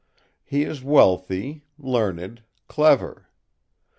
He is wealthy, learned, clever.